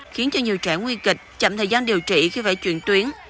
khiến cho nhiều trẻ nguy kịch chậm thời gian điều trị khi phải chuyển tuyến